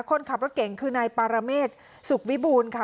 คนขับรถเก่งคือในปารเมตรสุขวิบูลค่ะ